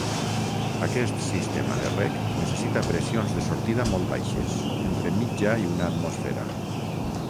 Aquest sistema de reg necessita pressions de sortida molt baixes entre mitja i una atmosfera.